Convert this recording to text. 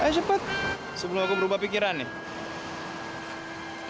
ayo cepat sebelum aku berubah pikiran nih